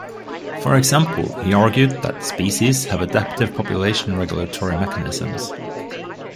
For example, he argued that species have adaptive population-regulatory mechanisms.